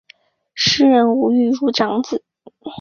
诗人吴玉如长子。